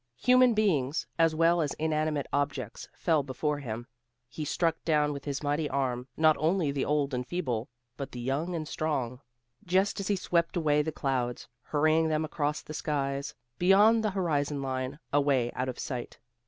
Human beings as well as inanimate objects fell before him. He struck down with his mighty arm, not only the old and feeble, but the young and strong; just as he swept away the clouds, hurrying them across the skies, beyond the horizon line, away out of sight.